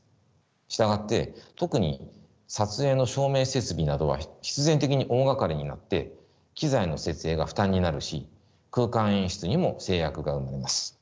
従って特に撮影の照明設備などは必然的に大がかりになって機材の設営が負担になるし空間演出にも制約が生まれます。